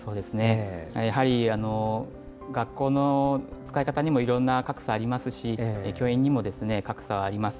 やはり学校の使い方にもいろんな格差ありますし、教員にも格差はあります。